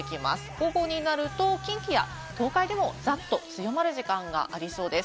午後になると近畿や東海でもざっと強まる時間がありそうです。